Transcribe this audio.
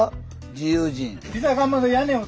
自由人。